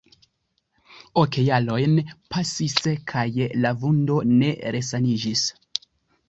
Ok jarojn pasis, kaj la vundo ne resaniĝis.